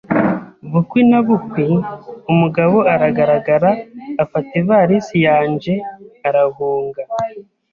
Bukwi na bukwi, umugabo aragaragara, afata ivarisi yanje arahunga.